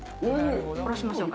下ろしましょうか。